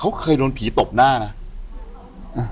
กุมารพายคือเหมือนกับว่าเขาจะมีอิทธิฤทธิ์ที่เยอะกว่ากุมารทองธรรมดา